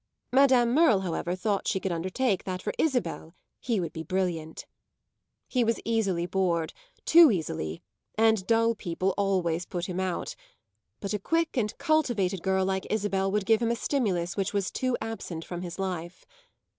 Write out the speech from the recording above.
Madame Merle, however, thought she could undertake that for Isabel he would be brilliant. He was easily bored, too easily, and dull people always put him out; but a quick and cultivated girl like Isabel would give him a stimulus which was too absent from his life.